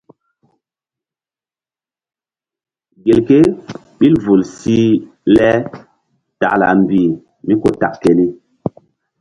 Gelke ɓil vul sih le takla mbih mí ku tak keni.